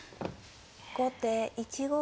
後手１五歩。